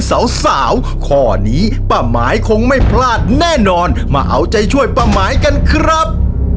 สาวสาวข้อนี้ป้าหมายคงไม่พลาดแน่นอนมาเอาใจช่วยป้าหมายกันครับ